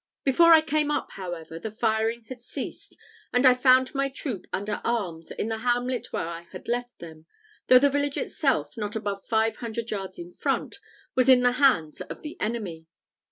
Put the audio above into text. Before I came up, however, the firing had ceased; and I found my troop under arms in the hamlet where I had left them, though the village itself, not above five hundred yards in front, was in the hands of the enemy.